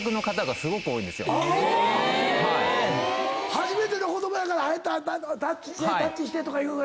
初めての子供やからたっちしてたっちしてとかいう。